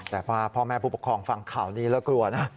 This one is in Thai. แต่พ่อแม่ผู้ปกครองฟังข่าวนี้แล้วกลัวนะ